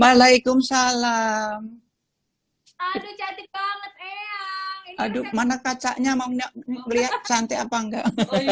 waalaikumsalam aduh cantik banget aduh mana kacanya mau lihat cantik apa enggak